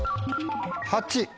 ８。